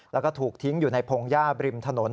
แล้วก็ถูกทิ้งอยู่ในพงหญ้าบริมถนน